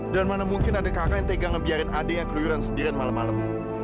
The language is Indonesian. mana mungkin ada kakak yang tega ngebiarin adiknya keluyuran sendirian malam malam